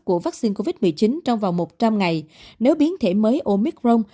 của vaccine covid một mươi chín trong vòng một trăm linh ngày nếu biến thể mới omicron